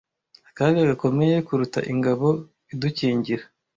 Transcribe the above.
akaga gakomeye kuruta ingabo idukingira